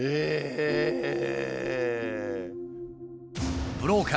ええ！